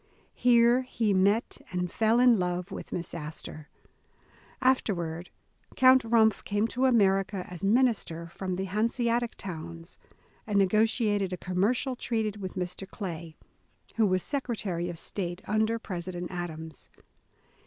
Here he met, and fell in love with Miss As tor. Afterward Count Rumpff came to America as minister from the Hanseatic towns, and negotiated a commercial treaty with Mr. Clay, who was Secretarj^ of State under President Adams.